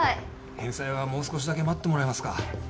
返済はもう少しだけ待ってもらえますか？